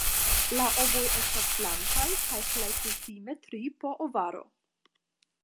La ovoj estas blankaj kaj plej kutime tri po ovaro.